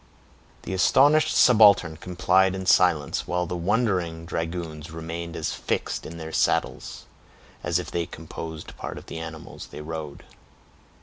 The astonished subaltern complied in silence, while the wondering dragoons remained as fixed in their saddles, as if they composed part of the animals they rode.